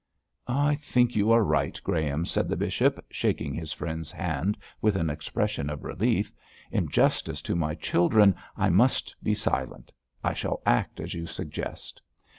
'I think you are right, Graham,' said the bishop, shaking his friend's hand with an expression of relief. 'In justice to my children, I must be silent. I shall act as you suggest.'